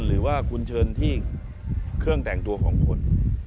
หรือว่าคุณเชิญที่เครื่องแต่งตัวของคน